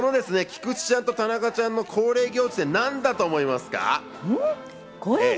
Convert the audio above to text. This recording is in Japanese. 菊池ちゃんと田中ちゃんの恒例行事って何だと思いますか？